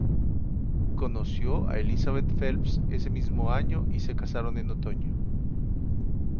Conoció a Elizabeth Phelps ese mismo año y se casaron en otoño.